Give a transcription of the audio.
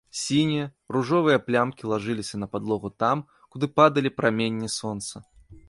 Сінія, ружовыя плямкі лажыліся на падлогу там, куды падалі праменні сонца.